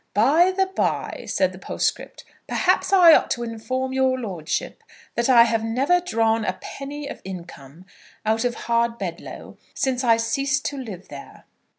"By the by," said the postscript, "perhaps I ought to inform your lordship that I have never drawn a penny of income out of Hardbedloe since I ceased to live there."